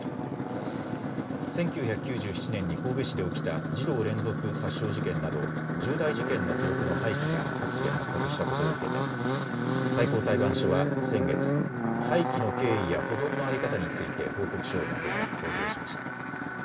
１９９７年に神戸市で起きた児童連続殺傷事件など重大事件の記録の廃棄が各地で発覚したことを受け最高裁判所は先月、廃棄の経緯や保存の在り方について報告書をまとめ公表しました。